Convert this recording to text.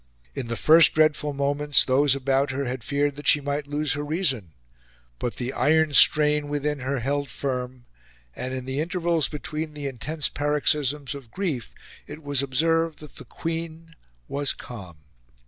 In the first dreadful moments those about her had feared that she might lose her reason, but the iron strain within her held firm, and in the intervals between the intense paroxysms of grief it was observed that the Queen was calm.